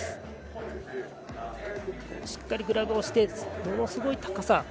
しっかりグラブをしてものすごい高さ。